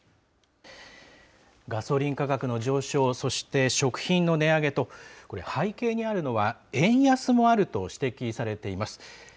ガソリン価格の上昇、そして食品の値上げと、これ、背景にあるのは、円安もあると指摘されています。